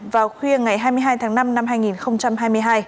vào khuya ngày hai mươi hai tháng năm năm hai nghìn hai mươi hai